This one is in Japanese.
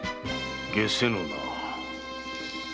解せぬな。